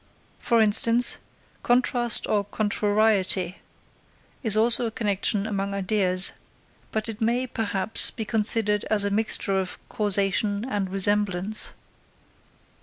For instance, Contrast or Contrariety is also a connexion among Ideas: but it may, perhaps, be considered as a mixture of Causation and Resemblance.